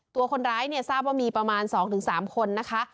ตัวคนร้ายเนี่ยทราบว่ามีประมาณ๒๓คนนะคะ